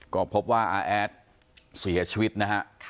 ก็พบว่าอาแอดเสียชีวิตนะฮะ